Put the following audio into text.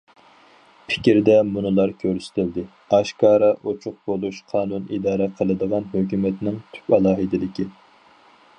« پىكىر» دە مۇنۇلار كۆرسىتىلدى: ئاشكارا، ئوچۇق بولۇش قانۇن ئىدارە قىلىدىغان ھۆكۈمەتنىڭ تۈپ ئالاھىدىلىكى.